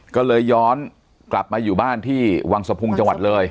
ก็เลยย้อนกลับมาอยู่บ้านที่วังสะพุงจังหวัดเลย